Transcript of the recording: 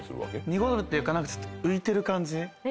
濁るっていうかちょっと浮いてる感じ。